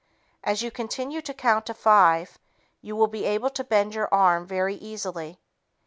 As you continue to count to five, you will be able to bend your arm very easily.